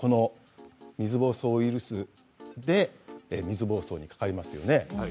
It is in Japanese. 水ぼうそうウイルス水ぼうそうにかかります。